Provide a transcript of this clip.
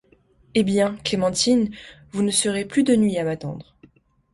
Eh bien, Clémentine, vous ne serez plus de nuit à m'attendre.